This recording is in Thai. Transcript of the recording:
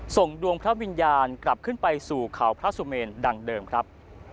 ส่งดวงพระวิญญาณกลับขึ้นไปสู่เขาพระสุเมนดังเดิมครับ